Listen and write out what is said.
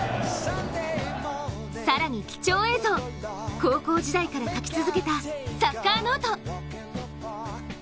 更に、貴重映像、高校時代から書き続けたサッカーノート。